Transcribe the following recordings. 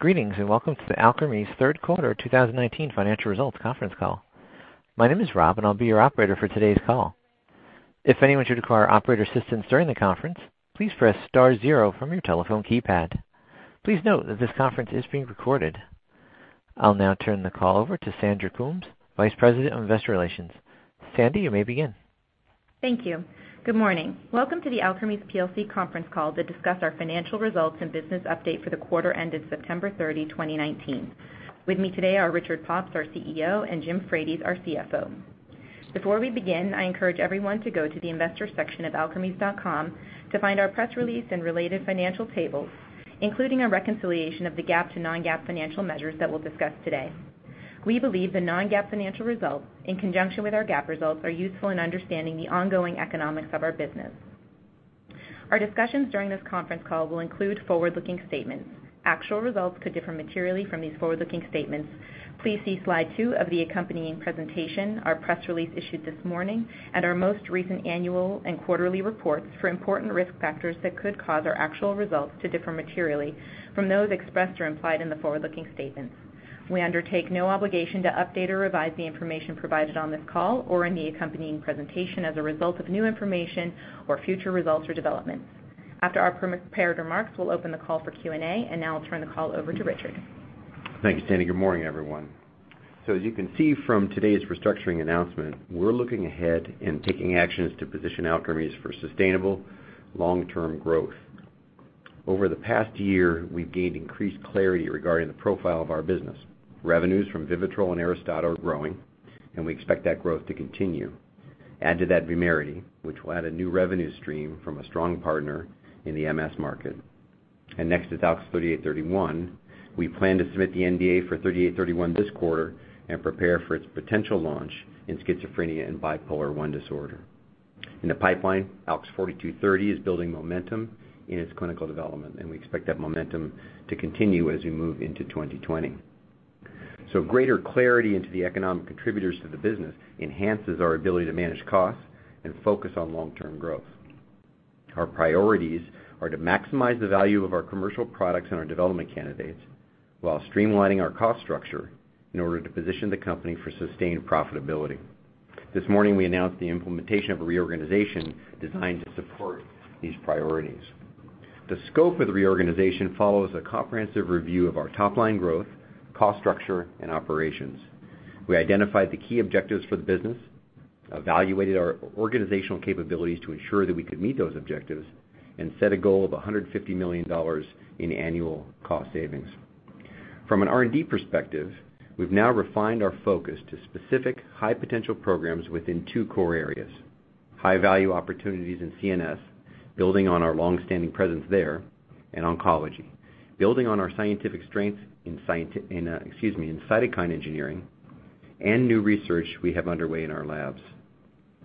Greetings, welcome to the Alkermes third quarter 2019 financial results conference call. My name is Rob, and I'll be your operator for today's call. If anyone should require operator assistance during the conference, please press star zero from your telephone keypad. Please note that this conference is being recorded. I'll now turn the call over to Sandra Coombs, Vice President of Investor Relations. Sandy, you may begin. Thank you. Good morning. Welcome to the Alkermes plc conference call to discuss our financial results and business update for the quarter ended September 30, 2019. With me today are Richard Pops, our CEO, and James Frates, our CFO. Before we begin, I encourage everyone to go to the investors section of alkermes.com to find our press release and related financial tables, including a reconciliation of the GAAP to non-GAAP financial measures that we'll discuss today. We believe the non-GAAP financial results, in conjunction with our GAAP results, are useful in understanding the ongoing economics of our business. Our discussions during this conference call will include forward-looking statements. Actual results could differ materially from these forward-looking statements. Please see slide two of the accompanying presentation, our press release issued this morning, and our most recent annual and quarterly reports for important risk factors that could cause our actual results to differ materially from those expressed or implied in the forward-looking statements. We undertake no obligation to update or revise the information provided on this call or in the accompanying presentation as a result of new information or future results or developments. After our prepared remarks, we'll open the call for Q&A, and now I'll turn the call over to Richard. Thank you, Sandy. Good morning, everyone. As you can see from today's restructuring announcement, we're looking ahead and taking actions to position Alkermes for sustainable long-term growth. Over the past year, we've gained increased clarity regarding the profile of our business. Revenues from VIVITROL and ARISTADA are growing, and we expect that growth to continue. Add to that VUMERITY, which will add a new revenue stream from a strong partner in the MS market. Next is ALKS 3831. We plan to submit the NDA for 3831 this quarter and prepare for its potential launch in schizophrenia and bipolar I disorder. In the pipeline, ALKS 4230 is building momentum in its clinical development, and we expect that momentum to continue as we move into 2020. Greater clarity into the economic contributors to the business enhances our ability to manage costs and focus on long-term growth. Our priorities are to maximize the value of our commercial products and our development candidates while streamlining our cost structure in order to position the company for sustained profitability. This morning, we announced the implementation of a reorganization designed to support these priorities. The scope of the reorganization follows a comprehensive review of our top-line growth, cost structure, and operations. We identified the key objectives for the business, evaluated our organizational capabilities to ensure that we could meet those objectives, and set a goal of $150 million in annual cost savings. From an R&D perspective, we've now refined our focus to specific high-potential programs within two core areas: high-value opportunities in CNS, building on our longstanding presence there, and oncology, building on our scientific strengths in cytokine engineering and new research we have underway in our labs.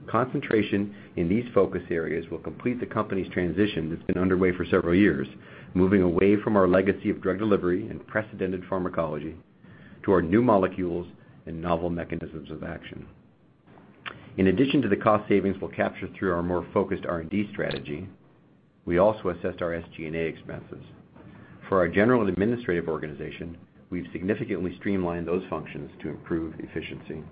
Concentration in these focus areas will complete the company's transition that's been underway for several years, moving away from our legacy of drug delivery and precedented pharmacology to our new molecules and novel mechanisms of action. In addition to the cost savings we'll capture through our more focused R&D strategy, we also assessed our SG&A expenses. For our general and administrative organization, we've significantly streamlined those functions to improve efficiency.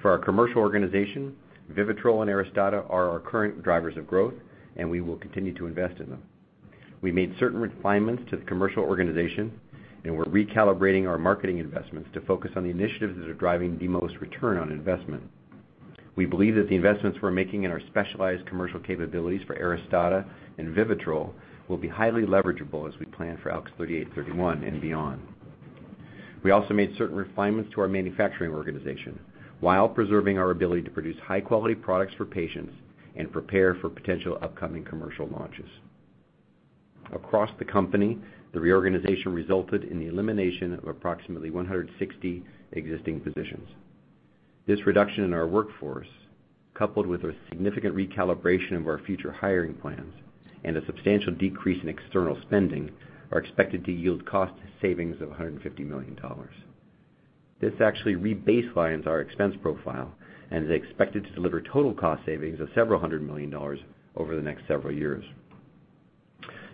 For our commercial organization, VIVITROL and ARISTADA are our current drivers of growth, and we will continue to invest in them. We made certain refinements to the commercial organization, and we're recalibrating our marketing investments to focus on the initiatives that are driving the most return on investment. We believe that the investments we're making in our specialized commercial capabilities for ARISTADA and VIVITROL will be highly leverageable as we plan for ALKS 3831 and beyond. We also made certain refinements to our manufacturing organization while preserving our ability to produce high-quality products for patients and prepare for potential upcoming commercial launches. Across the company, the reorganization resulted in the elimination of approximately 160 existing positions. This reduction in our workforce, coupled with a significant recalibration of our future hiring plans and a substantial decrease in external spending, are expected to yield cost savings of $150 million. This actually rebaselines our expense profile and is expected to deliver total cost savings of several hundred million dollars over the next several years.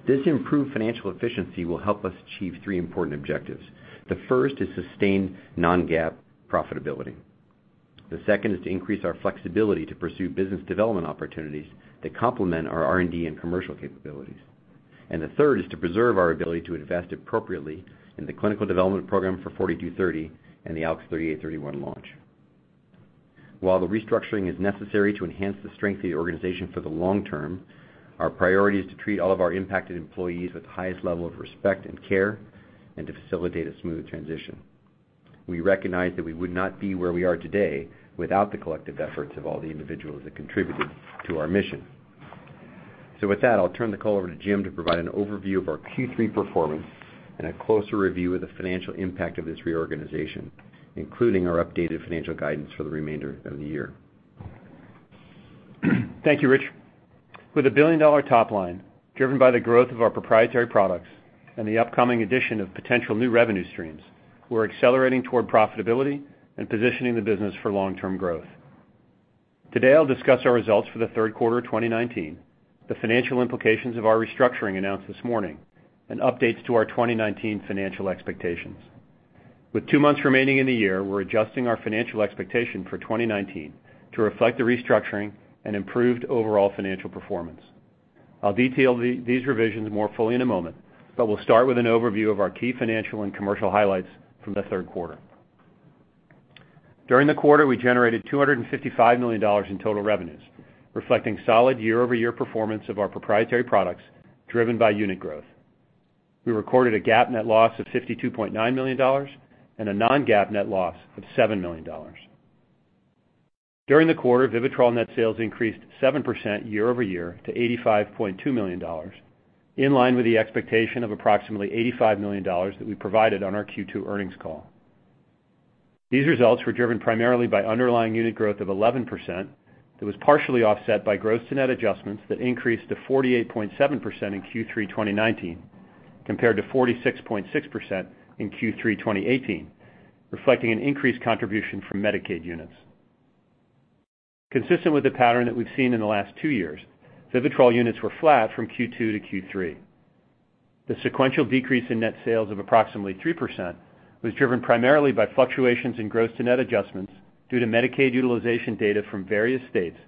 This improved financial efficiency will help us achieve three important objectives. The first is sustained non-GAAP profitability. The second is to increase our flexibility to pursue business development opportunities that complement our R&D and commercial capabilities. The third is to preserve our ability to invest appropriately in the clinical development program for 4230 and the ALKS 3831 launch. While the restructuring is necessary to enhance the strength of the organization for the long term, our priority is to treat all of our impacted employees with the highest level of respect and care and to facilitate a smooth transition. We recognize that we would not be where we are today without the collective efforts of all the individuals that contributed to our mission. With that, I'll turn the call over to Jim to provide an overview of our Q3 performance and a closer review of the financial impact of this reorganization, including our updated financial guidance for the remainder of the year. Thank you, Rich. With a billion-dollar top line driven by the growth of our proprietary products and the upcoming addition of potential new revenue streams, we're accelerating toward profitability and positioning the business for long-term growth. Today, I'll discuss our results for the third quarter of 2019, the financial implications of our restructuring announced this morning, and updates to our 2019 financial expectations. With two months remaining in the year, we're adjusting our financial expectation for 2019 to reflect the restructuring and improved overall financial performance. I'll detail these revisions more fully in a moment, but we'll start with an overview of our key financial and commercial highlights from the third quarter. During the quarter, we generated $255 million in total revenues, reflecting solid year-over-year performance of our proprietary products, driven by unit growth. We recorded a GAAP net loss of $52.9 million and a non-GAAP net loss of $7 million. During the quarter, VIVITROL net sales increased 7% year-over-year to $85.2 million, in line with the expectation of approximately $85 million that we provided on our Q2 earnings call. These results were driven primarily by underlying unit growth of 11% that was partially offset by gross to net adjustments that increased to 48.7% in Q3 2019 compared to 46.6% in Q3 2018, reflecting an increased contribution from Medicaid units. Consistent with the pattern that we've seen in the last two years, VIVITROL units were flat from Q2 to Q3. The sequential decrease in net sales of approximately 3% was driven primarily by fluctuations in gross to net adjustments due to Medicaid utilization data from various states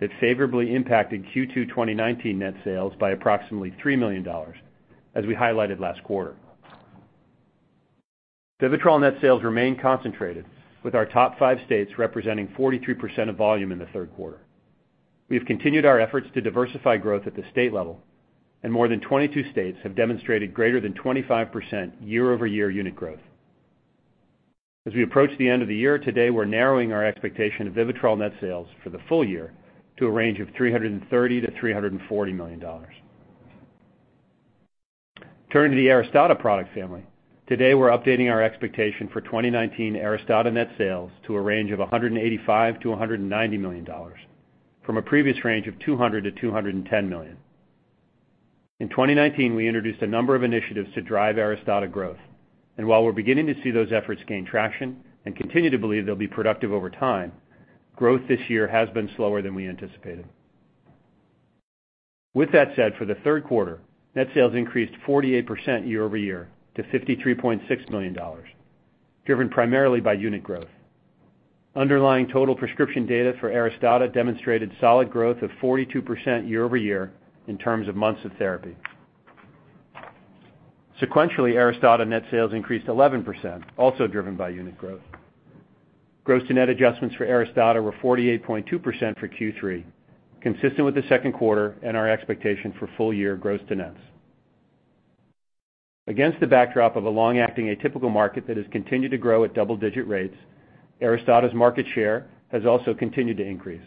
that favorably impacted Q2 2019 net sales by approximately $3 million, as we highlighted last quarter. VIVITROL net sales remain concentrated, with our top five states representing 43% of volume in the third quarter. We have continued our efforts to diversify growth at the state level, and more than 22 states have demonstrated greater than 25% year-over-year unit growth. As we approach the end of the year, today, we're narrowing our expectation of VIVITROL net sales for the full year to a range of $330-$340 million. Turning to the ARISTADA product family, today we're updating our expectation for 2019 ARISTADA net sales to a range of $185-$190 million from a previous range of $200-$210 million. In 2019, we introduced a number of initiatives to drive ARISTADA growth. While we're beginning to see those efforts gain traction and continue to believe they'll be productive over time, growth this year has been slower than we anticipated. With that said, for the third quarter, net sales increased 48% year-over-year to $53.6 million, driven primarily by unit growth. Underlying total prescription data for ARISTADA demonstrated solid growth of 42% year-over-year in terms of months of therapy. Sequentially, ARISTADA net sales increased 11%, also driven by unit growth. Gross to net adjustments for ARISTADA were 48.2% for Q3, consistent with the second quarter and our expectation for full year gross to nets. Against the backdrop of a long-acting atypical market that has continued to grow at double-digit rates, ARISTADA's market share has also continued to increase.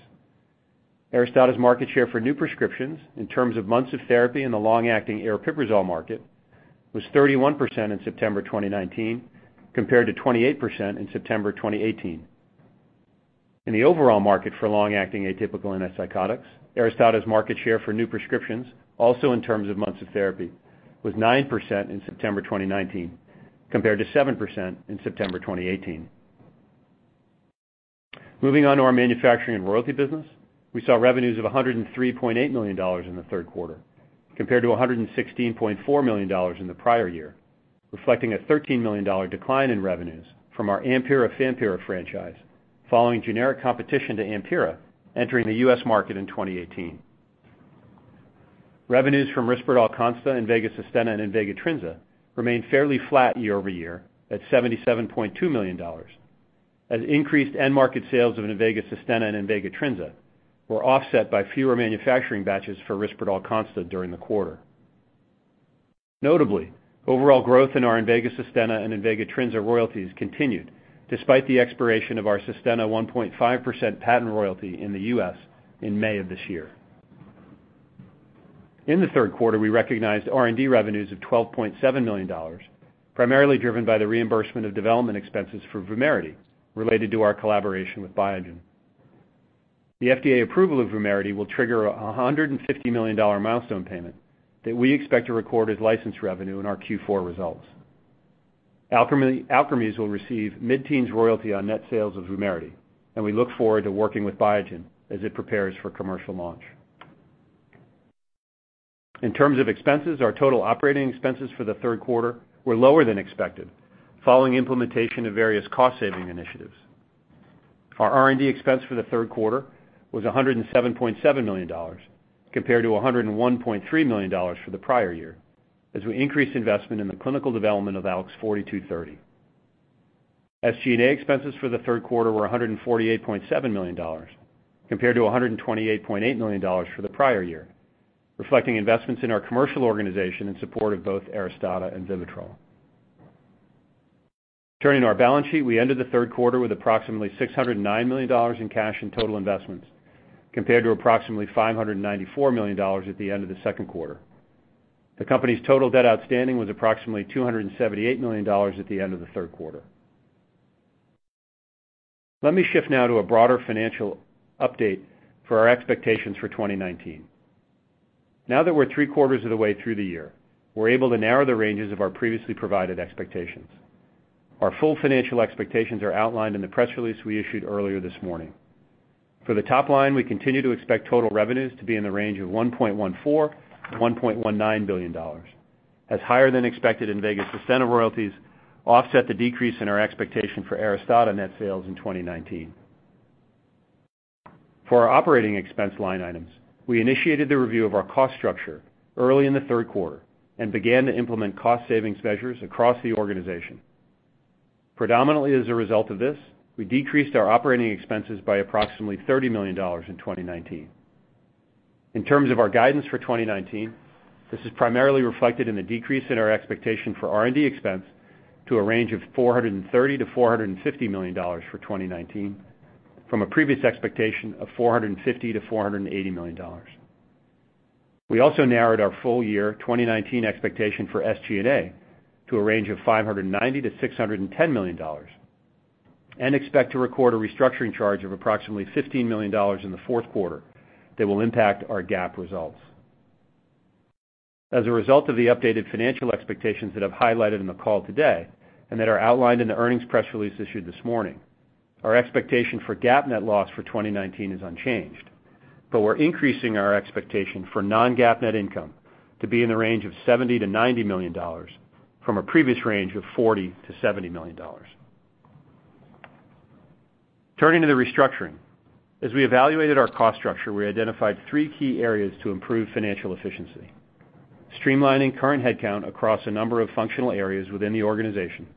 ARISTADA's market share for new prescriptions in terms of months of therapy in the long-acting aripiprazole market was 31% in September 2019, compared to 28% in September 2018. In the overall market for long-acting atypical antipsychotics, ARISTADA's market share for new prescriptions, also in terms of months of therapy, was 9% in September 2019 compared to 7% in September 2018. Moving on to our manufacturing and royalty business. We saw revenues of $103.8 million in the third quarter compared to $116.4 million in the prior year, reflecting a $13 million decline in revenues from our AMPYRA, Fampyra franchise following generic competition to AMPYRA entering the U.S. market in 2018. Revenues from RISPERDAL CONSTA, INVEGA SUSTENNA, and INVEGA TRINZA remained fairly flat year-over-year at $77.2 million, as increased end market sales of INVEGA SUSTENNA and INVEGA TRINZA were offset by fewer manufacturing batches for RISPERDAL CONSTA during the quarter. Notably, overall growth in our INVEGA SUSTENNA and INVEGA TRINZA royalties continued despite the expiration of our SUSTENNA 1.5% patent royalty in the U.S. in May of this year. In the third quarter, we recognized R&D revenues of $12.7 million, primarily driven by the reimbursement of development expenses for VUMERITY related to our collaboration with Biogen. The FDA approval of VUMERITY will trigger a $150 million milestone payment that we expect to record as licensed revenue in our Q4 results. Alkermes will receive mid-teens royalty on net sales of VUMERITY, and we look forward to working with Biogen as it prepares for commercial launch. In terms of expenses, our total operating expenses for the third quarter were lower than expected following implementation of various cost-saving initiatives. Our R&D expense for the third quarter was $107.7 million compared to $101.3 million for the prior year, as we increased investment in the clinical development of ALKS 4230. SG&A expenses for the third quarter were $148.7 million compared to $128.8 million for the prior year, reflecting investments in our commercial organization in support of both ARISTADA and VIVITROL. Turning to our balance sheet, we ended the third quarter with approximately $609 million in cash and total investments, compared to approximately $594 million at the end of the second quarter. The company's total debt outstanding was approximately $278 million at the end of the third quarter. Let me shift now to a broader financial update for our expectations for 2019. Now that we're three-quarters of the way through the year, we're able to narrow the ranges of our previously provided expectations. Our full financial expectations are outlined in the press release we issued earlier this morning. For the top line, we continue to expect total revenues to be in the range of $1.14 billion-$1.19 billion, as higher than expected INVEGA SUSTENNA royalties offset the decrease in our expectation for ARISTADA net sales in 2019. For our operating expense line items, we initiated the review of our cost structure early in the third quarter and began to implement cost savings measures across the organization. Predominantly as a result of this, we decreased our operating expenses by approximately $30 million in 2019. In terms of our guidance for 2019, this is primarily reflected in the decrease in our expectation for R&D expense to a range of $430 million-$450 million for 2019 from a previous expectation of $450 million-$480 million. We also narrowed our full year 2019 expectation for SG&A to a range of $590 million-$610 million and expect to record a restructuring charge of approximately $15 million in the fourth quarter that will impact our GAAP results. As a result of the updated financial expectations that I've highlighted in the call today, and that are outlined in the earnings press release issued this morning, our expectation for GAAP net loss for 2019 is unchanged, but we're increasing our expectation for non-GAAP net income to be in the range of $70 million-$90 million from a previous range of $40 million-$70 million. Turning to the restructuring. As we evaluated our cost structure, we identified three key areas to improve financial efficiency. Streamlining current headcount across a number of functional areas within the organization,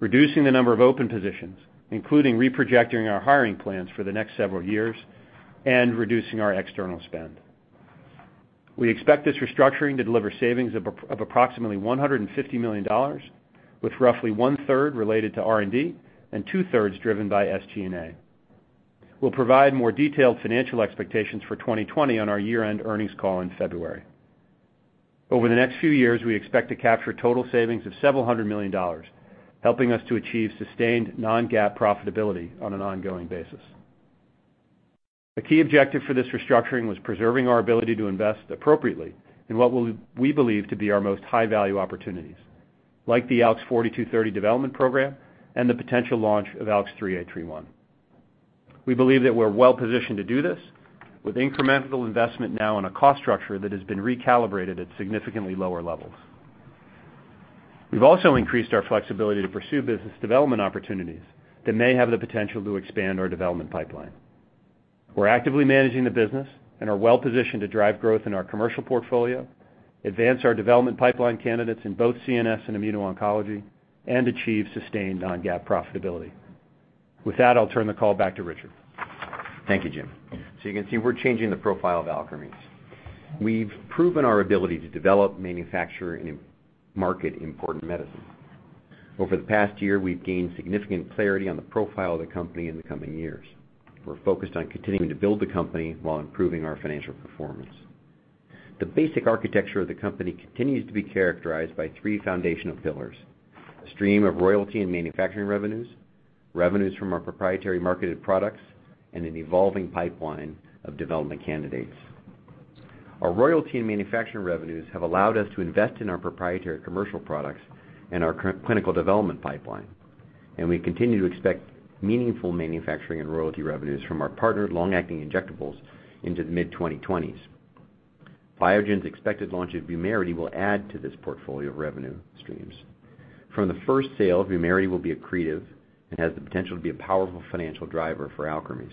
reducing the number of open positions, including reprojecting our hiring plans for the next several years, and reducing our external spend. We expect this restructuring to deliver savings of approximately $150 million, with roughly one-third related to R&D and two-thirds driven by SG&A. We'll provide more detailed financial expectations for 2020 on our year-end earnings call in February. Over the next few years, we expect to capture total savings of several hundred million dollars, helping us to achieve sustained non-GAAP profitability on an ongoing basis. A key objective for this restructuring was preserving our ability to invest appropriately in what we believe to be our most high-value opportunities, like the ALKS 4230 development program and the potential launch of ALKS 3831. We believe that we're well positioned to do this with incremental investment now in a cost structure that has been recalibrated at significantly lower levels. We've also increased our flexibility to pursue business development opportunities that may have the potential to expand our development pipeline. We're actively managing the business and are well positioned to drive growth in our commercial portfolio, advance our development pipeline candidates in both CNS and immuno-oncology, and achieve sustained non-GAAP profitability. With that, I'll turn the call back to Richard. Thank you, Jim. You can see we're changing the profile of Alkermes. We've proven our ability to develop, manufacture, and market important medicine. Over the past year, we've gained significant clarity on the profile of the company in the coming years. We're focused on continuing to build the company while improving our financial performance. The basic architecture of the company continues to be characterized by three foundational pillars: a stream of royalty and manufacturing revenues from our proprietary marketed products, and an evolving pipeline of development candidates. Our royalty and manufacturing revenues have allowed us to invest in our proprietary commercial products and our clinical development pipeline, and we continue to expect meaningful manufacturing and royalty revenues from our partnered long-acting injectables into the mid-2020s. Biogen's expected launch of VUMERITY will add to this portfolio of revenue streams. From the first sale, VUMERITY will be accretive and has the potential to be a powerful financial driver for Alkermes.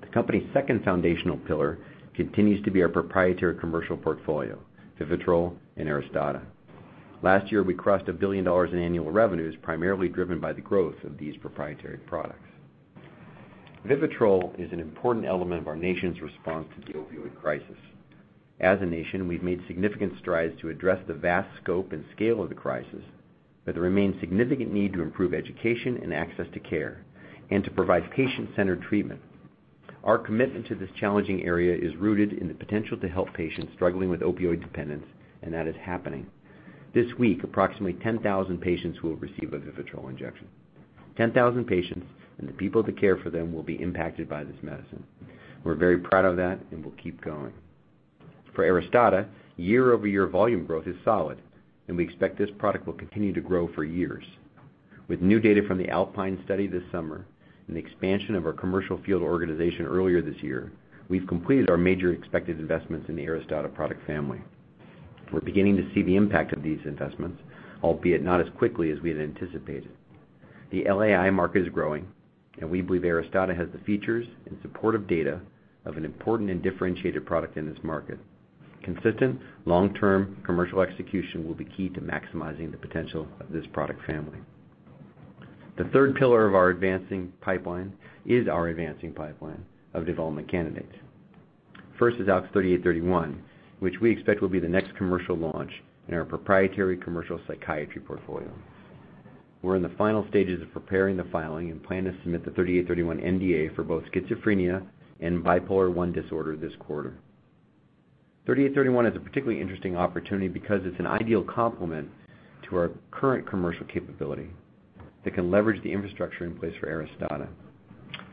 The company's second foundational pillar continues to be our proprietary commercial portfolio, VIVITROL and ARISTADA. Last year, we crossed $1 billion in annual revenues, primarily driven by the growth of these proprietary products. VIVITROL is an important element of our nation's response to the opioid crisis. As a nation, we've made significant strides to address the vast scope and scale of the crisis, but there remains significant need to improve education and access to care and to provide patient-centered treatment. Our commitment to this challenging area is rooted in the potential to help patients struggling with opioid dependence, and that is happening. This week, approximately 10,000 patients will receive a VIVITROL injection. 10,000 patients and the people that care for them will be impacted by this medicine. We're very proud of that and will keep going. For ARISTADA, year-over-year volume growth is solid, and we expect this product will continue to grow for years. With new data from the ALPINE study this summer and the expansion of our commercial field organization earlier this year, we've completed our major expected investments in the ARISTADA product family. We're beginning to see the impact of these investments, albeit not as quickly as we had anticipated. The LAI market is growing, and we believe ARISTADA has the features and supportive data of an important and differentiated product in this market. Consistent, long-term commercial execution will be key to maximizing the potential of this product family. The third pillar of our advancing pipeline is our advancing pipeline of development candidates. First is ALKS 3831, which we expect will be the next commercial launch in our proprietary commercial psychiatry portfolio. We're in the final stages of preparing the filing and plan to submit the ALKS 3831 NDA for both schizophrenia and bipolar I disorder this quarter. ALKS 3831 is a particularly interesting opportunity because it's an ideal complement to our current commercial capability that can leverage the infrastructure in place for ARISTADA.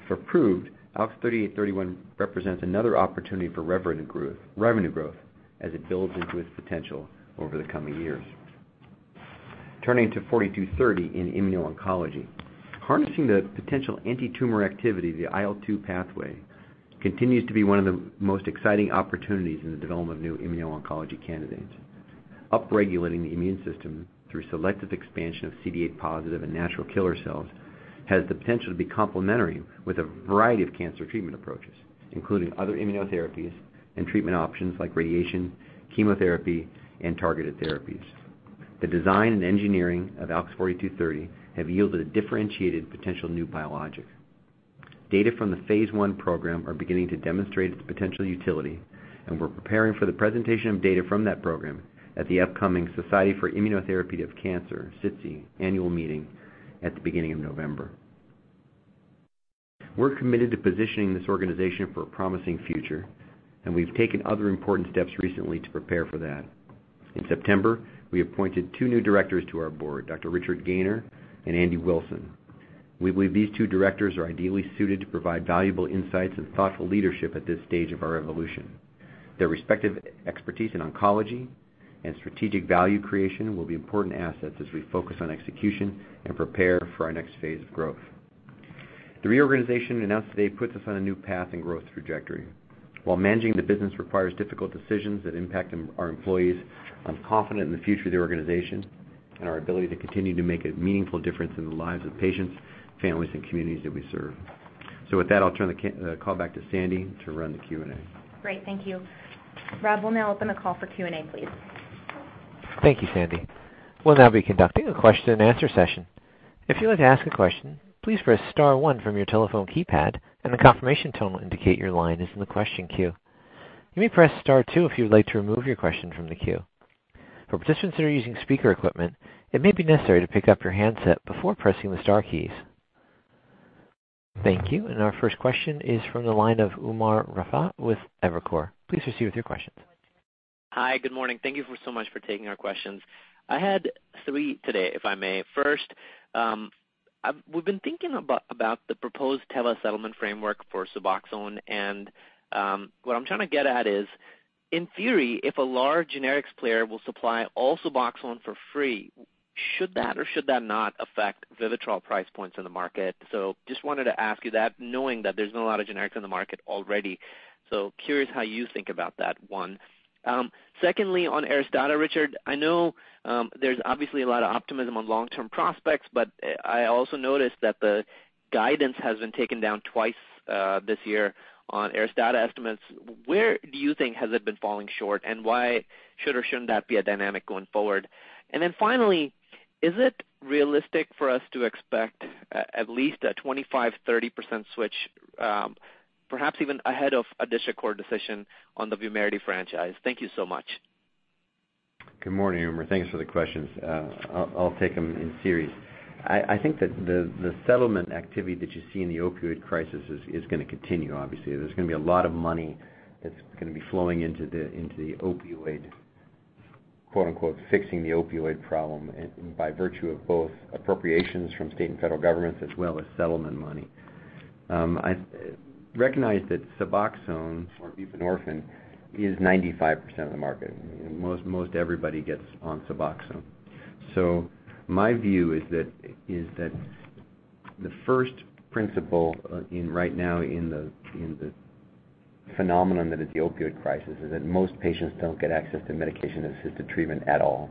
If approved, ALKS 3831 represents another opportunity for revenue growth as it builds into its potential over the coming years. Turning to ALKS 4230 in immuno-oncology. Harnessing the potential anti-tumor activity of the IL-2 pathway continues to be one of the most exciting opportunities in the development of new immuno-oncology candidates. Up-regulating the immune system through selective expansion of CD8 positive and natural killer cells has the potential to be complementary with a variety of cancer treatment approaches, including other immunotherapies and treatment options like radiation, chemotherapy, and targeted therapies. The design and engineering of ALKS 4230 have yielded a differentiated potential new biologic. Data from the phase I program are beginning to demonstrate its potential utility, and we're preparing for the presentation of data from that program at the upcoming Society for Immunotherapy of Cancer, SITC, annual meeting at the beginning of November. We're committed to positioning this organization for a promising future, and we've taken other important steps recently to prepare for that. In September, we appointed two new directors to our Board, Dr. Richard Gaynor and Andy Wilson. We believe these two directors are ideally suited to provide valuable insights and thoughtful leadership at this stage of our evolution. Their respective expertise in oncology and strategic value creation will be important assets as we focus on execution and prepare for our next phase of growth. The reorganization announced today puts us on a new path and growth trajectory. While managing the business requires difficult decisions that impact our employees, I'm confident in the future of the organization and our ability to continue to make a meaningful difference in the lives of patients, families, and communities that we serve. With that, I'll turn the call back to Sandy to run the Q&A. Great, thank you. Rob, we'll now open the call for Q&A, please. Thank you, Sandy. We'll now be conducting a question and answer session. If you'd like to ask a question, please press *1 from your telephone keypad, and a confirmation tone will indicate your line is in the question queue. You may press *2 if you'd like to remove your question from the queue. For participants that are using speaker equipment, it may be necessary to pick up your handset before pressing the star keys. Thank you. Our first question is from the line of Umer Raffat with Evercore. Please proceed with your questions. Hi, good morning. Thank you so much for taking our questions. I had three today, if I may. First, we've been thinking about the proposed Teva settlement framework for SUBOXONE, and what I'm trying to get at is, in theory, if a large generics player will supply all SUBOXONE for free, should that or should that not affect VIVITROL price points in the market? Just wanted to ask you that, knowing that there's not a lot of generics on the market already. Curious how you think about that, one. Secondly, on ARISTADA, Richard, I know there's obviously a lot of optimism on long-term prospects, but I also noticed that the guidance has been taken down twice this year on ARISTADA estimates. Where do you think has it been falling short, and why should or shouldn't that be a dynamic going forward? Finally, is it realistic for us to expect at least a 25%-30% switch, perhaps even ahead of a District Court decision on the VUMERITY franchise? Thank you so much. Good morning, Umer. Thanks for the questions. I'll take them in series. I think that the settlement activity that you see in the opioid crisis is going to continue, obviously. There's going to be a lot of money that's going to be flowing into the opioid, quote-unquote, fixing the opioid problem by virtue of both appropriations from state and federal governments as well as settlement money. I recognize that SUBOXONE or buprenorphine is 95% of the market. Most everybody gets on SUBOXONE. My view is that the first principle right now in the phenomenon that is the opioid crisis is that most patients don't get access to medication-assisted treatment at all.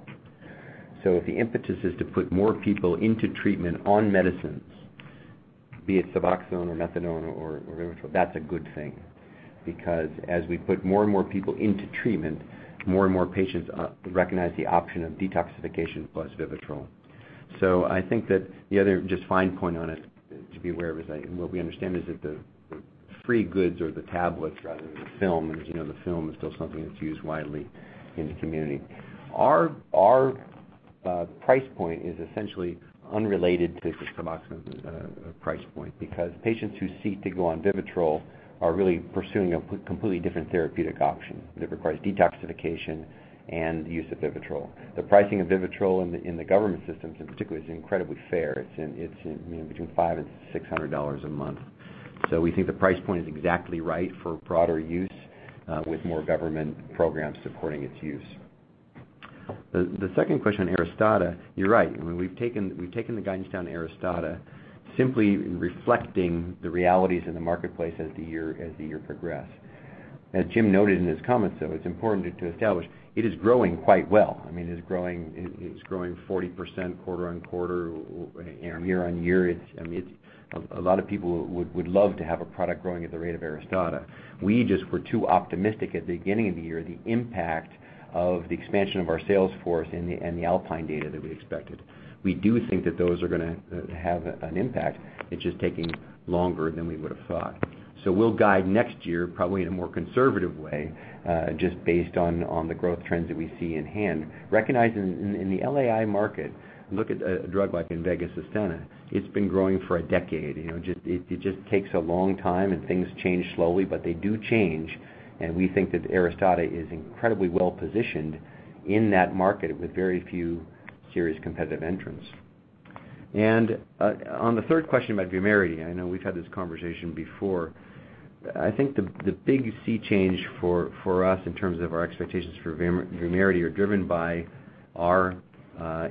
If the impetus is to put more people into treatment on medicines, be it SUBOXONE or methadone or VIVITROL, that's a good thing. Because as we put more and more people into treatment, more and more patients recognize the option of detoxification plus VIVITROL. I think that the other just fine point on it to be aware of is that what we understand is that the free goods or the tablets rather than the film, as you know, the film is still something that's used widely in the community. Our price point is essentially unrelated to the SUBOXONE price point because patients who seek to go on VIVITROL are really pursuing a completely different therapeutic option that requires detoxification and use of VIVITROL. The pricing of VIVITROL in the government systems in particular is incredibly fair. It's in between $500 and $600 a month. We think the price point is exactly right for broader use with more government programs supporting its use. The second question on ARISTADA, you're right. We've taken the guidance down ARISTADA simply reflecting the realities in the marketplace as the year progressed. As Jim noted in his comments, though, it's important to establish it is growing quite well. It's growing 40% quarter-on-quarter, year-on-year. A lot of people would love to have a product growing at the rate of ARISTADA. We just were too optimistic at the beginning of the year, the impact of the expansion of our sales force and the ALPINE data that we expected. We do think that those are going to have an impact. It's just taking longer than we would have thought. We'll guide next year probably in a more conservative way just based on the growth trends that we see in hand. Recognizing in the LAI market, look at a drug like INVEGA SUSTENNA. It's been growing for a decade. It just takes a long time, and things change slowly, but they do change, and we think that ARISTADA is incredibly well-positioned in that market with very few serious competitive entrants. On the third question about VUMERITY, I know we've had this conversation before. I think the big sea change for us in terms of our expectations for VUMERITY are driven by our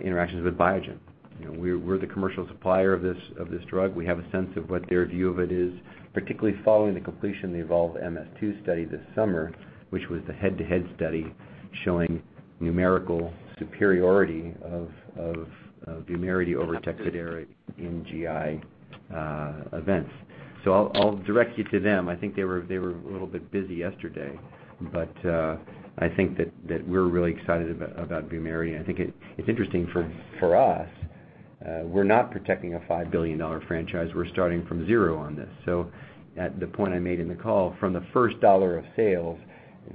interactions with Biogen. We're the commercial supplier of this drug. We have a sense of what their view of it is, particularly following the completion of the EVOLVE-MS-2 study this summer, which was the head-to-head study showing numerical superiority of VUMERITY over TECFIDERA in GI events. I'll direct you to them. I think they were a little bit busy yesterday, but I think that we're really excited about VUMERITY, and I think it's interesting for us. We're not protecting a $5 billion franchise. We're starting from zero on this. At the point I made in the call, from the first dollar of sales,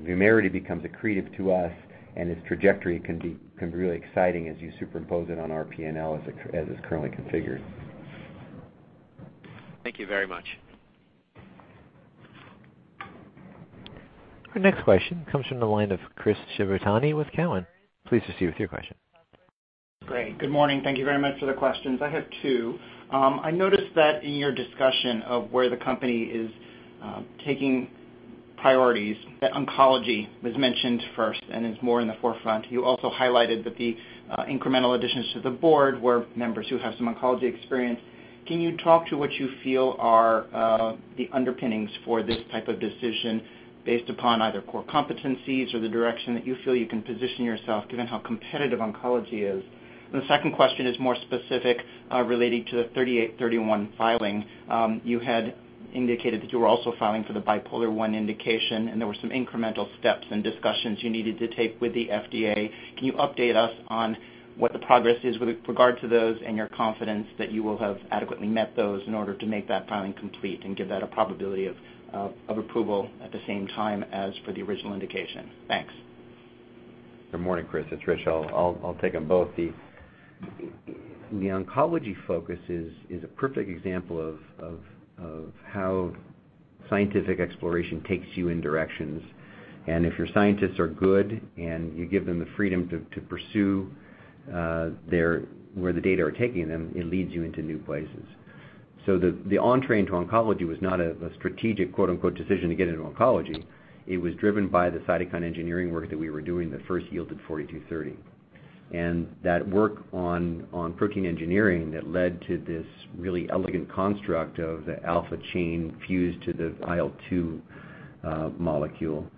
VUMERITY becomes accretive to us, and its trajectory can be really exciting as you superimpose it on our P&L as it's currently configured. Thank you very much. Our next question comes from the line of Chris Shibutani with Cowen. Please proceed with your question. Great. Good morning. Thank you very much for the questions. I have two. I noticed that in your discussion of where the company is taking priorities, that oncology was mentioned first and is more in the forefront. You also highlighted that the incremental additions to the Board were members who have some oncology experience. Can you talk to what you feel are the underpinnings for this type of decision based upon either core competencies or the direction that you feel you can position yourself, given how competitive oncology is? The second question is more specific relating to the 3831 filing. You had indicated that you were also filing for the bipolar I indication, and there were some incremental steps and discussions you needed to take with the FDA. Can you update us on what the progress is with regard to those and your confidence that you will have adequately met those in order to make that filing complete and give that a probability of approval at the same time as for the original indication? Thanks. Good morning, Chris. It's Rich. I'll take them both. The oncology focus is a perfect example of how scientific exploration takes you in directions. If your scientists are good and you give them the freedom to pursue where the data are taking them, it leads you into new places. The entree into oncology was not a strategic, quote, unquote, "decision" to get into oncology. It was driven by the cytokine engineering work that we were doing that first yielded 4230. That work on protein engineering that led to this really elegant construct of the alpha chain fused to the IL-2 molecule,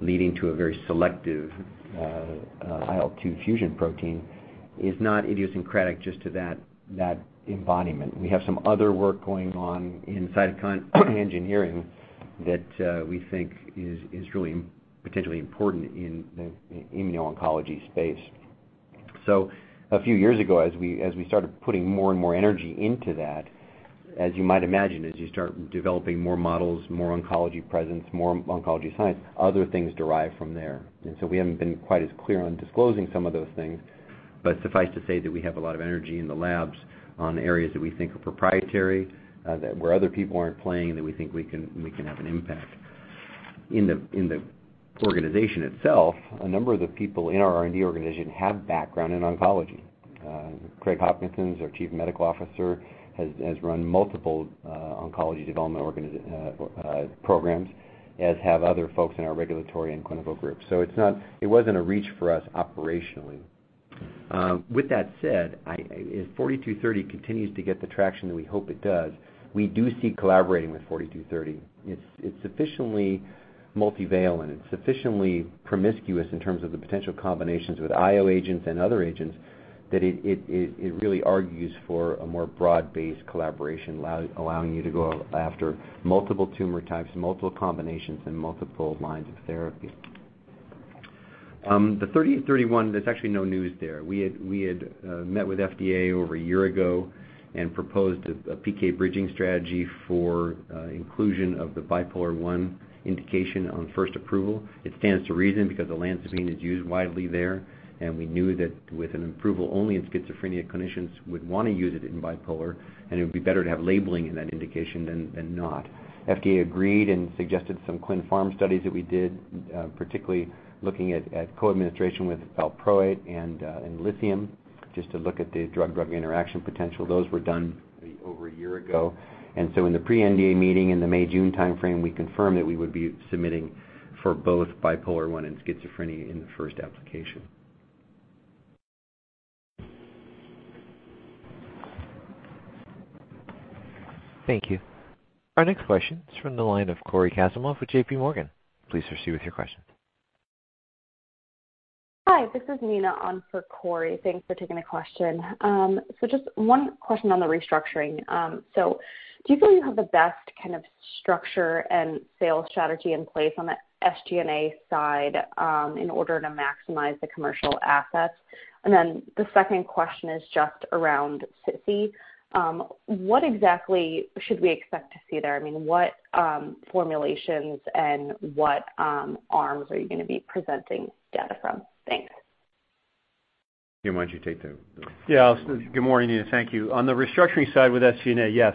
leading to a very selective IL-2 fusion protein, is not idiosyncratic just to that embodiment. We have some other work going on in cytokine engineering that we think is really potentially important in the immuno-oncology space. A few years ago, as we started putting more and more energy into that, as you might imagine, as you start developing more models, more oncology presence, more oncology science, other things derive from there. We haven't been quite as clear on disclosing some of those things. Suffice to say that we have a lot of energy in the labs on areas that we think are proprietary, where other people aren't playing, that we think we can have an impact. In the organization itself, a number of the people in our R&D organization have background in oncology. Craig Hopkinson, our chief medical officer, has run multiple oncology development programs, as have other folks in our regulatory and clinical group. It wasn't a reach for us operationally. With that said, if 4230 continues to get the traction that we hope it does, we do see collaborating with 4230. It is sufficiently multivalent. It is sufficiently promiscuous in terms of the potential combinations with IO agents and other agents that it really argues for a more broad-based collaboration, allowing you to go after multiple tumor types, multiple combinations, and multiple lines of therapy. The 3831, there is actually no news there. We had met with FDA over a year ago and proposed a PK bridging strategy for inclusion of the bipolar I indication on first approval. It stands to reason because olanzapine is used widely there, and we knew that with an approval only in schizophrenia, clinicians would want to use it in bipolar, and it would be better to have labeling in that indication than not. FDA agreed and suggested some clin pharm studies that we did, particularly looking at co-administration with valproate and lithium, just to look at the drug interaction potential. Those were done over a year ago. In the pre-NDA meeting in the May, June timeframe, we confirmed that we would be submitting for both bipolar I and schizophrenia in the first application. Thank you. Our next question is from the line of Cory Kasimov with JPMorgan. Please proceed with your question. Hi, this is Neena in for Cory. Thanks for taking the question. Just one question on the restructuring. Do you feel you have the best kind of structure and sales strategy in place on the SG&A side in order to maximize the commercial assets? The second question is just around SITC. What exactly should we expect to see there? I mean, what formulations and what arms are you going to be presenting data from? Thanks. Jim, why don't you take? Yeah. Good morning, Nina. Thank you. On the restructuring side with SG&A, yes.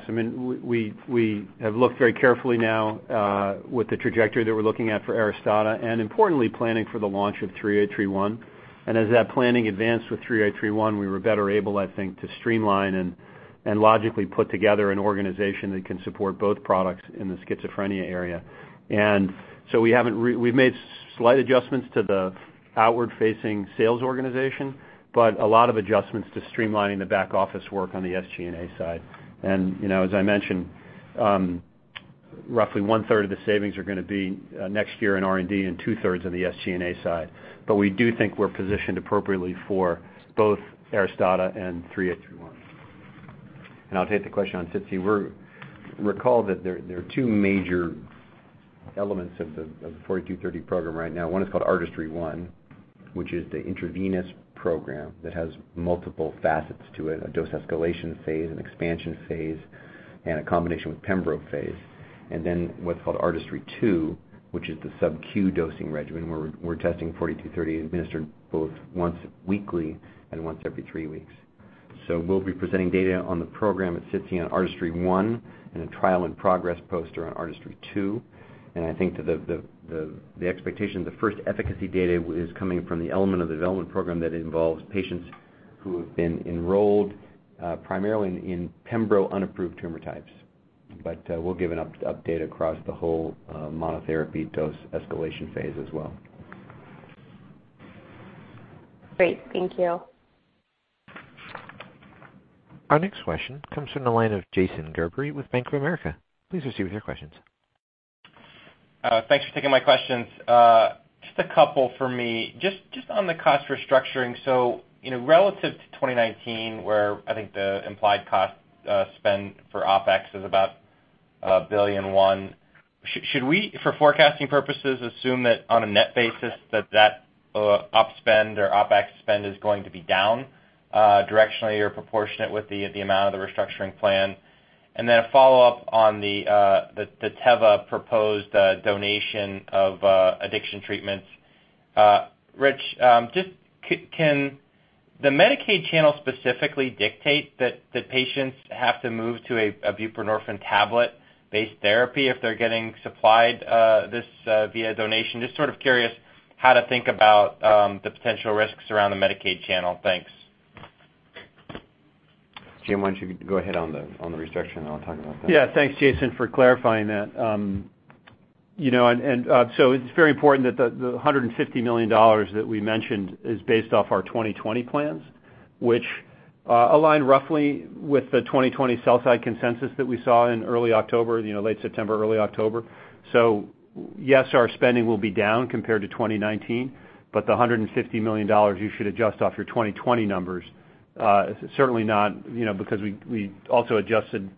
We have looked very carefully now with the trajectory that we're looking at for ARISTADA and importantly, planning for the launch of 3831. As that planning advanced with 3831, we were better able, I think, to streamline and logically put together an organization that can support both products in the schizophrenia area. We've made slight adjustments to the outward-facing sales organization, but a lot of adjustments to streamlining the back-office work on the SG&A side. As I mentioned, roughly one-third of the savings are going to be next year in R&D and two-thirds on the SG&A side. We do think we're positioned appropriately for both ARISTADA and 3831. I'll take the question on SITC. Recall that there are two major elements of the 4230 program right now. One is called ARTISTRY-1, which is the intravenous program that has multiple facets to it, a dose escalation phase, an expansion phase, and a combination with pembrolizumab phase. What's called ARTISTRY-2, which is the sub-Q dosing regimen, where we're testing 4230 administered both once weekly and once every three weeks. We'll be presenting data on the program at SITC on ARTISTRY-1 and a trial and progress poster on ARTISTRY-2. I think that the expectation, the first efficacy data is coming from the element of the development program that involves patients who have been enrolled primarily in pembrolizumab unapproved tumor types. We'll give an update across the whole monotherapy dose escalation phase as well. Great. Thank you. Our next question comes from the line of Jason Gerberry with Bank of America. Please proceed with your questions. Thanks for taking my questions. Just a couple for me. Just on the cost restructuring. Relative to 2019, where I think the implied cost spend for OpEx is about $1.1 billion, should we, for forecasting purposes, assume that on a net basis that that Op spend or OpEx spend is going to be down directionally or proportionate with the amount of the restructuring plan? A follow-up on the Teva proposed donation of addiction treatments. Rich, can the Medicaid channel specifically dictate that patients have to move to a buprenorphine tablet-based therapy if they're getting supplied this via donation? Just sort of curious how to think about the potential risks around the Medicaid channel. Thanks. Jim, why don't you go ahead on the restriction. I'll talk about that. Yeah. Thanks, Jason, for clarifying that. It's very important that the $150 million that we mentioned is based off our 2020 plans, which align roughly with the 2020 sell side consensus that we saw in early October, late September, early October. Yes, our spending will be down compared to 2019, but the $150 million you should adjust off your 2020 numbers. Certainly not, because we also adjusted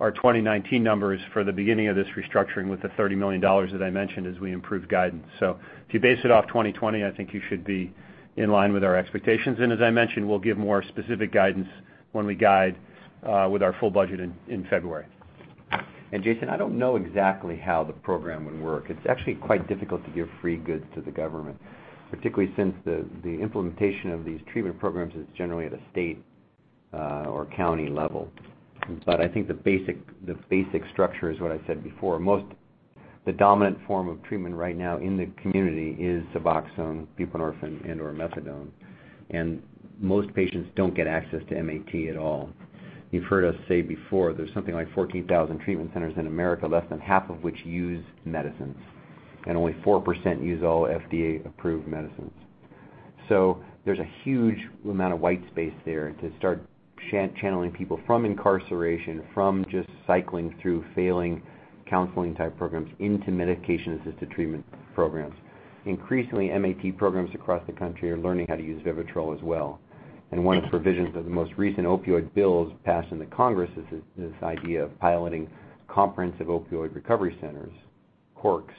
our 2019 numbers for the beginning of this restructuring with the $30 million that I mentioned as we improved guidance. If you base it off 2020, I think you should be in line with our expectations. As I mentioned, we'll give more specific guidance when we guide with our full budget in February. Jason, I don't know exactly how the program would work. It's actually quite difficult to give free goods to the government, particularly since the implementation of these treatment programs is generally at a state or county level. I think the basic structure is what I said before. The dominant form of treatment right now in the community is SUBOXONE, buprenorphine and/or methadone. Most patients don't get access to MAT at all. You've heard us say before, there's something like 14,000 treatment centers in America, less than half of which use medicines, and only 4% use all FDA-approved medicines. There's a huge amount of white space there to start channeling people from incarceration, from just cycling through failing counseling-type programs into medication-assisted treatment programs. Increasingly, MAT programs across the country are learning how to use VIVITROL as well. One of the provisions of the most recent opioid bills passed into Congress is this idea of piloting Comprehensive Opioid Recovery Centers, CORCs,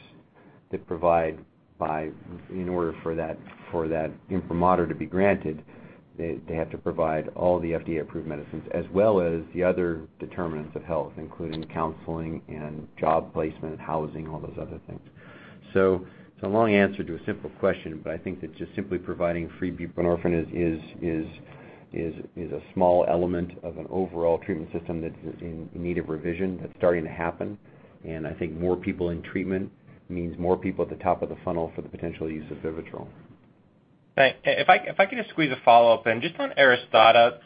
that provide by, in order for that imprimatur to be granted, they have to provide all the FDA-approved medicines as well as the other determinants of health, including counseling and job placement, housing, all those other things. It's a long answer to a simple question, but I think that just simply providing free buprenorphine is a small element of an overall treatment system that's in need of revision. That's starting to happen, and I think more people in treatment means more people at the top of the funnel for the potential use of VIVITROL. If I could just squeeze a follow-up in. Just on ARISTADA,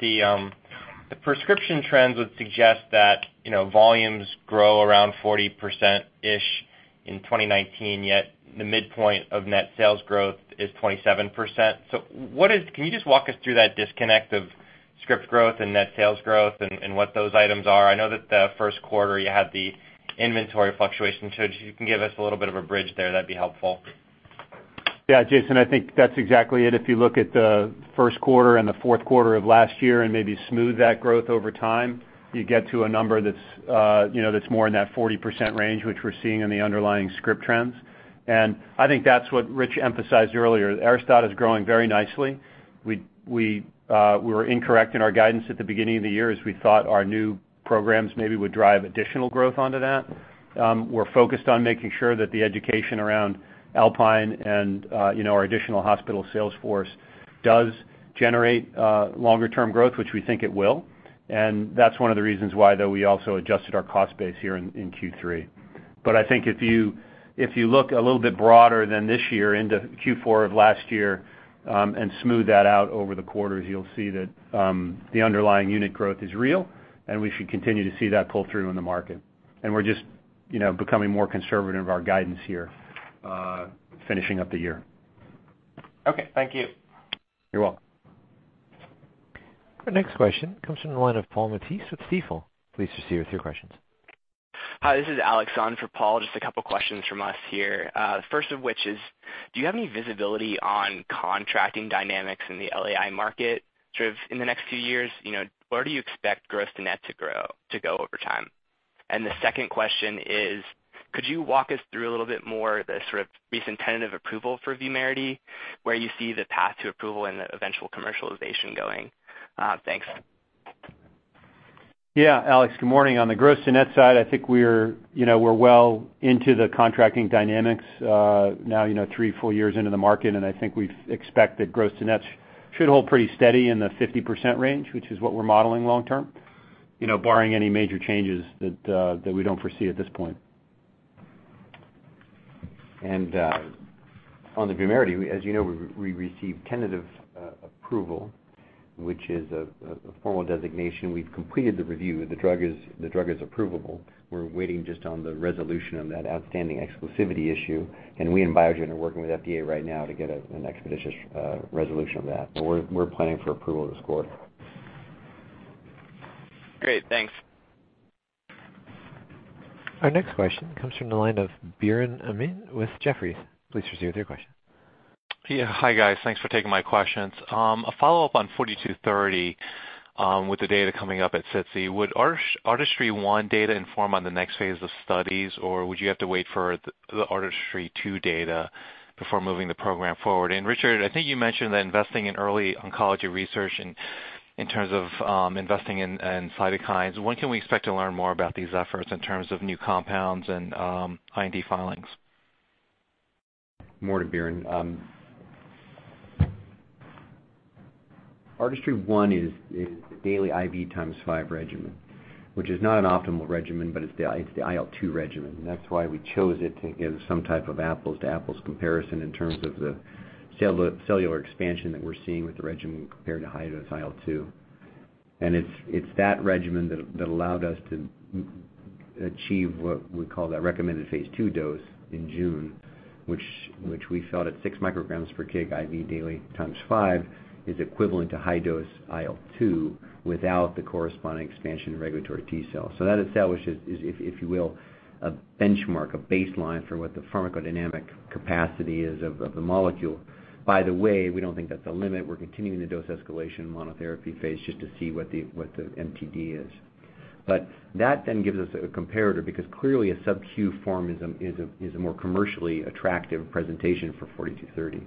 the prescription trends would suggest that volumes grow around 40%-ish in 2019, yet the midpoint of net sales growth is 27%. Can you just walk us through that disconnect of script growth and net sales growth and what those items are? I know that the first quarter you had the inventory fluctuation, so if you can give us a little bit of a bridge there, that'd be helpful. Yeah, Jason, I think that's exactly it. If you look at the first quarter and the fourth quarter of last year and maybe smooth that growth over time, you get to a number that's more in that 40% range, which we're seeing in the underlying script trends. I think that's what Rich emphasized earlier. ARISTADA is growing very nicely. We were incorrect in our guidance at the beginning of the year as we thought our new programs maybe would drive additional growth onto that. We're focused on making sure that the education around ALPINE and our additional hospital sales force does generate longer-term growth, which we think it will. That's one of the reasons why though we also adjusted our cost base here in Q3. I think if you look a little bit broader than this year into Q4 of last year, and smooth that out over the quarters, you'll see that the underlying unit growth is real, and we should continue to see that pull through in the market. We're just becoming more conservative of our guidance here, finishing up the year. Okay. Thank you. You're welcome. Our next question comes from the line of Paul Matteis with Stifel. Please proceed with your questions. Hi, this is Alex on for Paul. Just a couple questions from us here. First of which is, do you have any visibility on contracting dynamics in the LAI market sort of in the next few years? Where do you expect gross to net to grow, to go over time? The second question is, could you walk us through a little bit more the sort of recent tentative approval for VUMERITY, where you see the path to approval and the eventual commercialization going? Thanks. Alex, good morning. On the gross to net side, I think we're well into the contracting dynamics now, three, four years into the market, I think we expect that gross to net should hold pretty steady in the 50% range, which is what we're modeling long term, barring any major changes that we don't foresee at this point. On the VUMERITY, as you know, we received tentative approval, which is a formal designation. We've completed the review. The drug is approvable. We're waiting just on the resolution on that outstanding exclusivity issue, and we and Biogen are working with FDA right now to get an expeditious resolution of that. We're planning for approval this quarter. Great, thanks. Our next question comes from the line of Biren Amin with Jefferies. Please proceed with your question. Yeah. Hi, guys. Thanks for taking my questions. A follow-up on 4230 with the data coming up at SITC. Would ARTISTRY-1 data inform on the next phase of studies, or would you have to wait for the ARTISTRY-2 data before moving the program forward? Richard, I think you mentioned that investing in early oncology research in terms of investing in cytokines. When can we expect to learn more about these efforts in terms of new compounds and IND filings? Morning, Biren. ARTISTRY-1 is a daily IV times 5 regimen, which is not an optimal regimen, but it's the IL-2 regimen. That's why we chose it to give some type of apples to apples comparison in terms of the cellular expansion that we're seeing with the regimen compared to high-dose IL-2. It's that regimen that allowed us to achieve what we call that recommended phase II dose in June, which we felt at 6 micrograms per kg IV daily times 5 is equivalent to high-dose IL-2 without the corresponding expansion of regulatory T cells. That establishes, if you will, a benchmark, a baseline for what the pharmacodynamic capacity is of the molecule. By the way, we don't think that's a limit. We're continuing the dose escalation monotherapy phase just to see what the MTD is. That then gives us a comparator, because clearly a sub-Q form is a more commercially attractive presentation for 4230.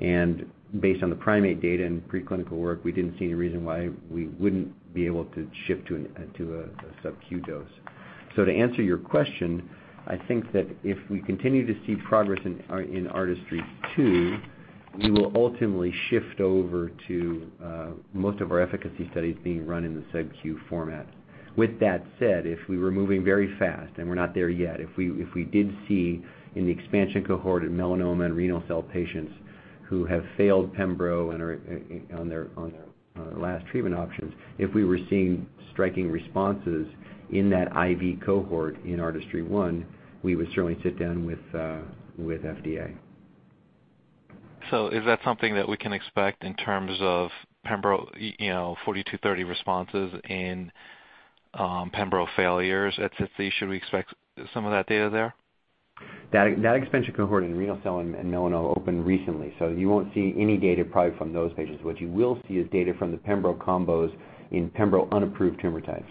Based on the primate data and pre-clinical work, we didn't see any reason why we wouldn't be able to shift to a sub-Q dose. To answer your question, I think that if we continue to see progress in ARTISTRY-2, we will ultimately shift over to most of our efficacy studies being run in the sub-Q format. With that said, if we were moving very fast, and we're not there yet, if we did see in the expansion cohort in melanoma and renal cell patients who have failed pembrolizumab and are on their last treatment options, if we were seeing striking responses in that IV cohort in ARTISTRY-1, we would certainly sit down with FDA. Is that something that we can expect in terms of pembrolizumab, 4230 responses in pembrolizumab failures at SITC? Should we expect some of that data there? That expansion cohort in renal cell and melanoma opened recently. You won't see any data probably from those patients. What you will see is data from the pembrolizumab combos in pembrolizumab unapproved tumor types.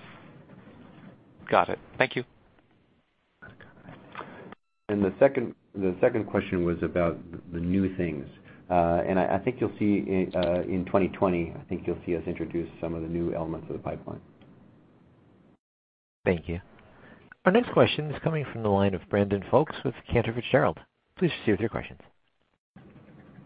Got it. Thank you. The second question was about the new things. I think you'll see in 2020, I think you'll see us introduce some of the new elements of the pipeline. Thank you. Our next question is coming from the line of Brandon Folkes with Cantor Fitzgerald. Please proceed with your questions.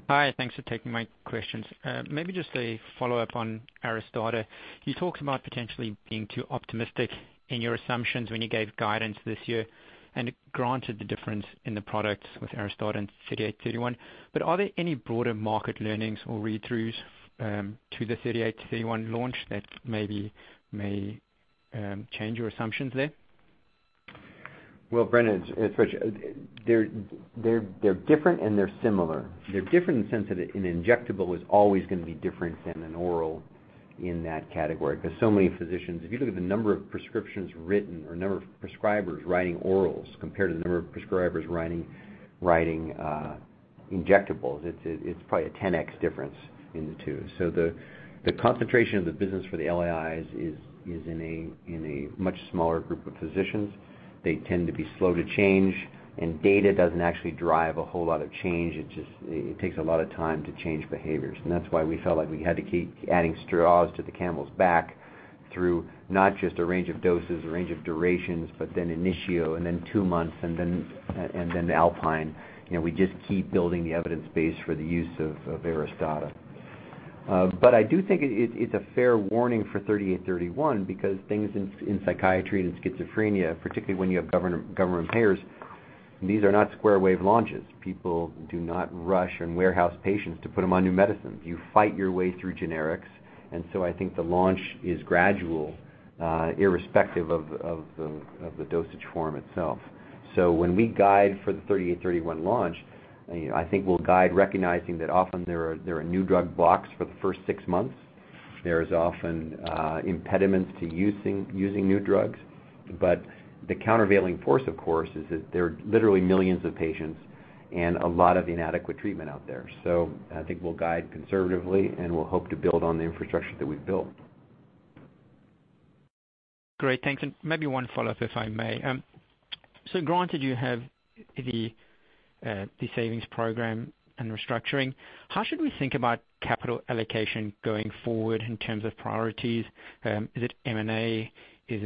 Hi, thanks for taking my questions. Maybe just a follow-up on ARISTADA. You talked about potentially being too optimistic in your assumptions when you gave guidance this year, and granted the difference in the products with ARISTADA and 3831. Are there any broader market learnings or read-throughs to the 3831 launch that maybe may change your assumptions there? Well, Brandon, they're different and they're similar. They're different in the sense that an injectable is always going to be different than an oral in that category, because so many physicians, if you look at the number of prescriptions written or number of prescribers writing orals compared to the number of prescribers writing injectables, it's probably a 10x difference in the two. The concentration of the business for the LAIs is in a much smaller group of physicians. They tend to be slow to change, data doesn't actually drive a whole lot of change. It takes a lot of time to change behaviors. That's why we felt like we had to keep adding straws to the camel's back through not just a range of doses, a range of durations, but then Initio and then two months and then ALPINE. We just keep building the evidence base for the use of ARISTADA. I do think it's a fair warning for 3831 because things in psychiatry and schizophrenia, particularly when you have government payers, these are not square wave launches. People do not rush and warehouse patients to put them on new medicines. You fight your way through generics, I think the launch is gradual, irrespective of the dosage form itself. When we guide for the 3831 launch, I think we'll guide recognizing that often there are new drug blocks for the first six months. There is often impediments to using new drugs. The countervailing force, of course, is that there are literally millions of patients and a lot of inadequate treatment out there. I think we'll guide conservatively, and we'll hope to build on the infrastructure that we've built. Great. Thanks. Maybe one follow-up, if I may. Granted, you have the savings program and restructuring. How should we think about capital allocation going forward in terms of priorities? Is it M&A? Is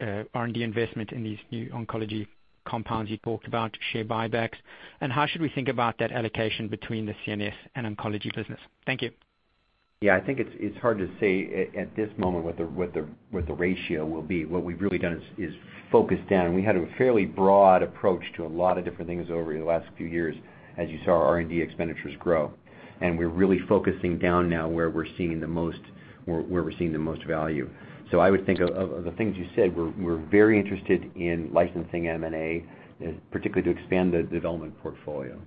it R&D investment in these new oncology compounds you talked about, share buybacks? How should we think about that allocation between the CNS and oncology business? Thank you. Yeah, I think it's hard to say at this moment what the ratio will be. What we've really done is focus down. We had a fairly broad approach to a lot of different things over the last few years, as you saw our R&D expenditures grow. We're really focusing down now where we're seeing the most value. I would think of the things you said, we're very interested in licensing M&A, particularly to expand the development portfolio.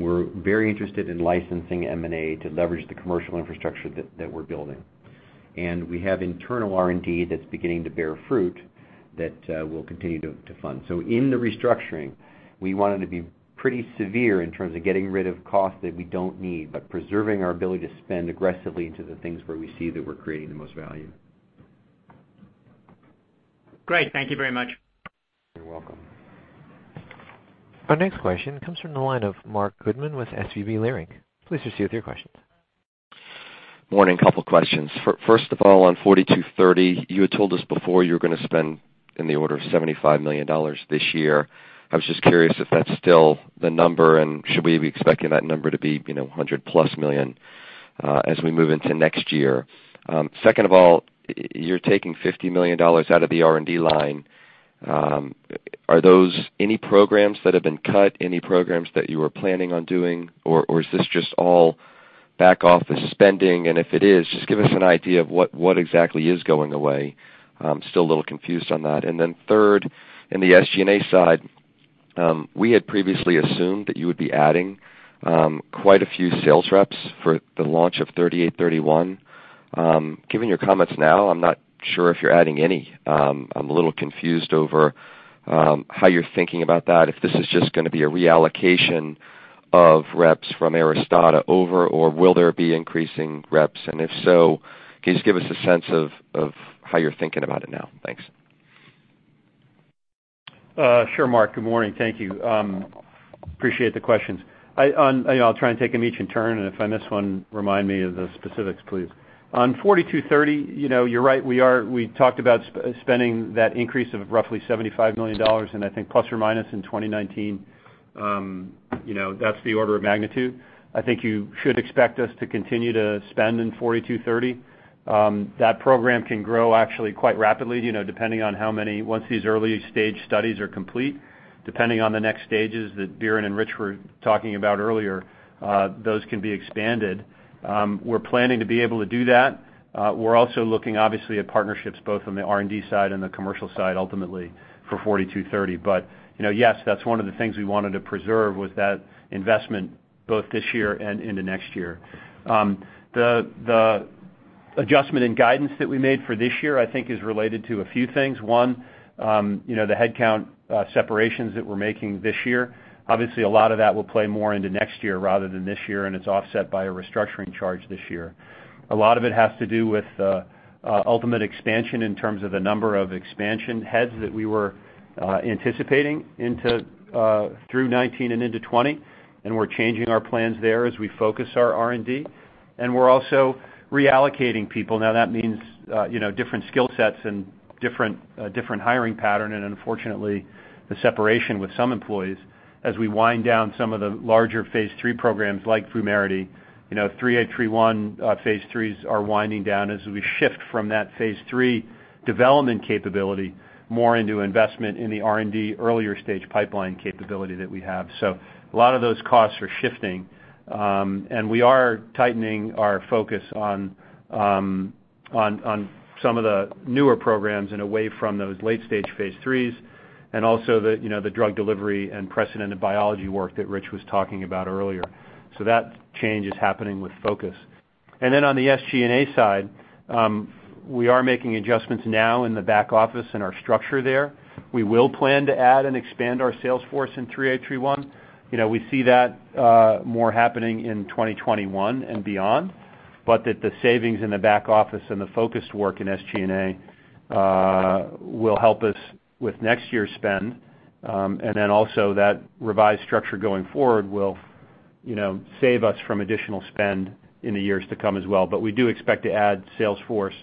We're very interested in licensing M&A to leverage the commercial infrastructure that we're building. We have internal R&D that's beginning to bear fruit that we'll continue to fund. In the restructuring, we wanted to be pretty severe in terms of getting rid of cost that we don't need, but preserving our ability to spend aggressively into the things where we see that we're creating the most value. Great. Thank you very much. You're welcome. Our next question comes from the line of Marc Goodman with SVB Leerink. Please proceed with your question. Morning. A couple of questions. First of all, on 4230, you had told us before you were going to spend in the order of $75 million this year. I was just curious if that's still the number, and should we be expecting that number to be 100-plus million as we move into next year? Second of all, you're taking $50 million out of the R&D line. Are those any programs that have been cut, any programs that you were planning on doing, or is this just all back-office spending? If it is, just give us an idea of what exactly is going away. I'm still a little confused on that. Third, in the SG&A side, we had previously assumed that you would be adding quite a few sales reps for the launch of 3831. Given your comments now, I'm not sure if you're adding any. I'm a little confused over how you're thinking about that, if this is just going to be a reallocation of reps from ARISTADA over, or will there be increasing reps, and if so, can you just give us a sense of how you're thinking about it now? Thanks. Sure, Marc. Good morning. Thank you. Appreciate the questions. I'll try and take them each in turn, and if I miss one, remind me of the specifics, please. On 4230, you're right. We talked about spending that increase of roughly $75 million, and I think plus or minus in 2019. That's the order of magnitude. I think you should expect us to continue to spend in 4230. That program can grow actually quite rapidly, depending on how many once these early-stage studies are complete, depending on the next stages that Biren and Richard were talking about earlier, those can be expanded. We're planning to be able to do that. We're also looking, obviously, at partnerships, both on the R&D side and the commercial side, ultimately for 4230. Yes, that's one of the things we wanted to preserve was that investment both this year and into next year. The adjustment in guidance that we made for this year, I think is related to a few things. One, the headcount separations that we're making this year. Obviously, a lot of that will play more into next year rather than this year, and it's offset by a restructuring charge this year. A lot of it has to do with ultimate expansion in terms of the number of expansion heads that we were anticipating through 2019 and into 2020, and we're changing our plans there as we focus our R&D. We're also reallocating people. Now that means different skill sets and different hiring pattern, and unfortunately, the separation with some employees as we wind down some of the larger phase III programs like VUMERITY, 3831 phase III's are winding down as we shift from that phase III development capability more into investment in the R&D earlier stage pipeline capability that we have. A lot of those costs are shifting. We are tightening our focus on some of the newer programs and away from those late-stage phase III's, and also the drug delivery and precedented biology work that Rich was talking about earlier. That change is happening with focus. On the SG&A side, we are making adjustments now in the back office and our structure there. We will plan to add and expand our sales force in 3831. We see that more happening in 2021 and beyond, but that the savings in the back office and the focused work in SG&A will help us with next year's spend. That revised structure going forward will save us from additional spend in the years to come as well. We do expect to add sales force.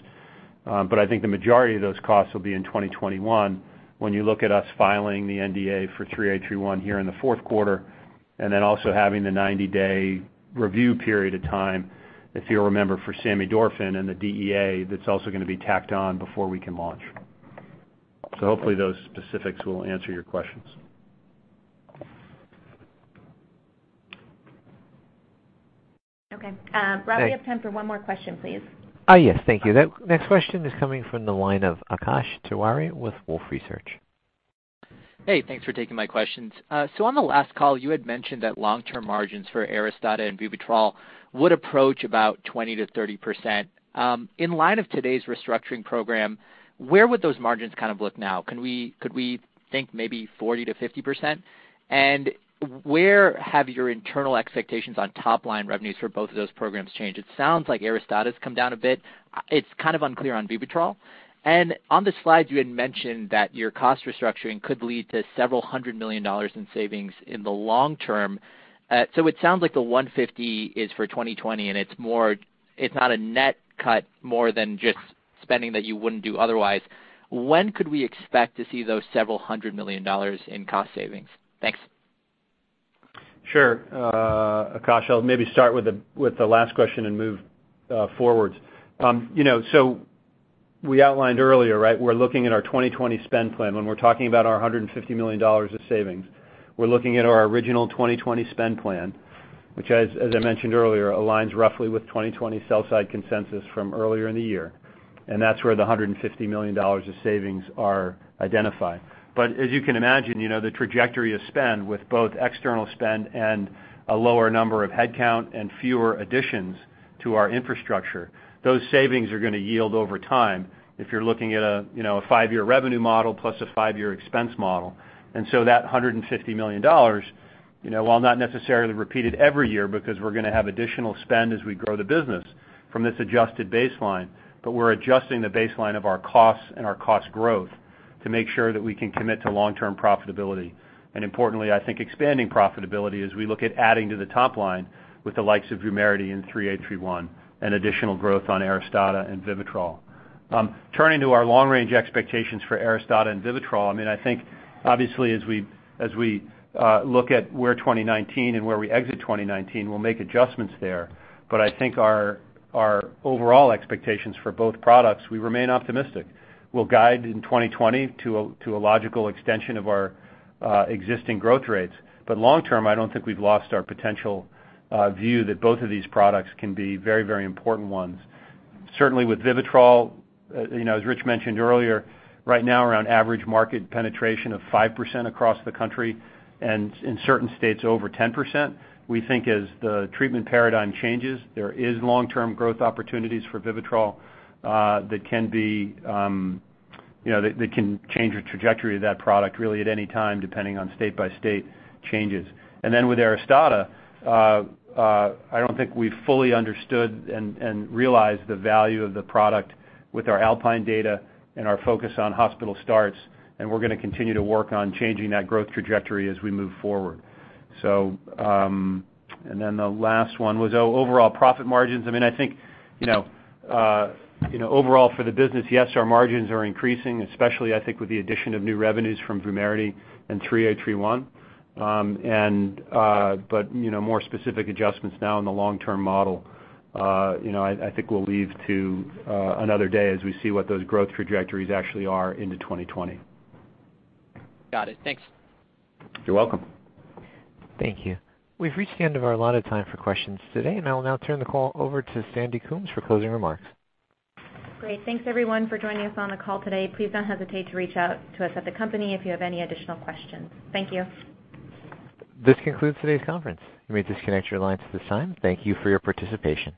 I think the majority of those costs will be in 2021 when you look at us filing the NDA for 3831 here in the fourth quarter, and then also having the 90-day review period of time, if you'll remember, for samidorphan and the DEA that's also going to be tacked on before we can launch. Hopefully those specifics will answer your questions. Okay. Thanks. Rob, we have time for one more question, please. Yes. Thank you. Okay. The next question is coming from the line of Akash Tewari with Wolfe Research. Hey, thanks for taking my questions. On the last call, you had mentioned that long-term margins for ARISTADA and VIVITROL would approach about 20%-30%. In light of today's restructuring program, where would those margins kind of look now? Could we think maybe 40%-50%? Where have your internal expectations on top-line revenues for both of those programs changed? It sounds like ARISTADA's come down a bit. It's kind of unclear on VIVITROL. On the slides, you had mentioned that your cost restructuring could lead to several hundred million dollars in savings in the long term. It sounds like the $150 is for 2020, and it's not a net cut more than just spending that you wouldn't do otherwise. When could we expect to see those several hundred million dollars in cost savings? Thanks. Sure. Akash, I'll maybe start with the last question and move forwards. We outlined earlier, right? We're looking at our 2020 spend plan. When we're talking about our $150 million of savings, we're looking at our original 2020 spend plan, which as I mentioned earlier, aligns roughly with 2020 sell side consensus from earlier in the year, and that's where the $150 million of savings are identified. As you can imagine, the trajectory of spend with both external spend and a lower number of headcount and fewer additions to our infrastructure, those savings are going to yield over time if you're looking at a five-year revenue model plus a five-year expense model. That $150 million, while not necessarily repeated every year because we're going to have additional spend as we grow the business from this adjusted baseline, but we're adjusting the baseline of our costs and our cost growth to make sure that we can commit to long-term profitability. Importantly, I think expanding profitability as we look at adding to the top line with the likes of VUMERITY and 3831 and additional growth on ARISTADA and VIVITROL. Turning to our long-range expectations for ARISTADA and VIVITROL, I think obviously as we look at where 2019 and where we exit 2019, we'll make adjustments there. I think our overall expectations for both products, we remain optimistic. We'll guide in 2020 to a logical extension of our existing growth rates. Long term, I don't think we've lost our potential view that both of these products can be very, very important ones. Certainly with VIVITROL, as Rich mentioned earlier, right now we're on average market penetration of 5% across the country, and in certain states, over 10%. We think as the treatment paradigm changes, there is long-term growth opportunities for VIVITROL that can change the trajectory of that product really at any time, depending on state-by-state changes. With ARISTADA, I don't think we've fully understood and realized the value of the product with our ALPINE data and our focus on hospital starts, and we're going to continue to work on changing that growth trajectory as we move forward. The last one was overall profit margins. I think overall for the business, yes, our margins are increasing, especially I think with the addition of new revenues from VUMERITY and 3831. More specific adjustments now in the long-term model, I think we'll leave to another day as we see what those growth trajectories actually are into 2020. Got it. Thanks. You're welcome. Thank you. We've reached the end of our allotted time for questions today, and I will now turn the call over to Sandy Coombs for closing remarks. Great. Thanks everyone for joining us on the call today. Please don't hesitate to reach out to us at the company if you have any additional questions. Thank you. This concludes today's conference. You may disconnect your lines at this time. Thank you for your participation.